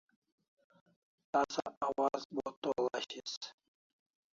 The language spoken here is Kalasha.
Tasa awaz bo t'ol ashis